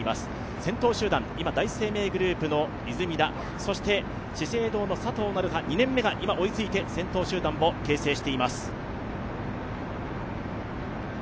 先頭集団、今第一生命グループの出水田そして資生堂の佐藤成葉、２年目が先頭集団を形成しています。